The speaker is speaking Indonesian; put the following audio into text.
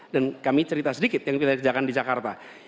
dan kami cerita sedikit yang kita kerjakan di jakarta